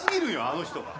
あの人が。